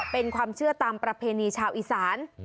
เป็นความเชื่อตามประเพณีชาวอีสาน